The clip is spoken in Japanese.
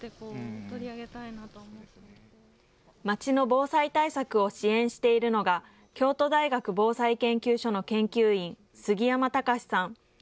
町の防災対策を支援しているのが、京都大学防災研究所の研究員、杉山高志さん。